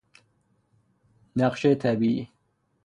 نقشه طبیعی